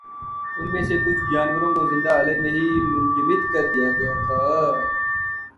ان میں سے کچھ جانوروں کو زندہ حالت میں ہی منجمد کردیا گیا تھا۔